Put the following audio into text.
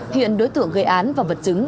hiện đối tượng gây án và vật chứng